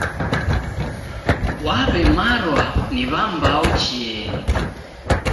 W'aw'emarwa ni w'ambao chieni.